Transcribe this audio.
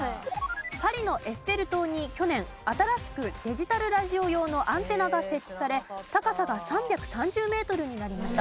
パリのエッフェル塔に去年新しくデジタルラジオ用のアンテナが設置され高さが３３０メートルになりました。